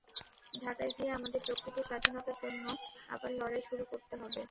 ঢাকায় গিয়ে আমাদের প্রকৃত স্বাধীনতার জন্য আবার লড়াই শুরু করতে হবে।